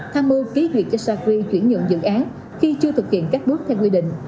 tham mưu ký duyệt cho sacri chuyển nhận dự án khi chưa thực hiện các bước theo quy định